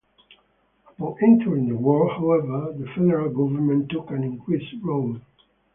Upon entering the war, however, the federal government took an increased role.